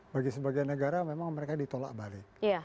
bagi sebagian negara memang mereka ditolak balik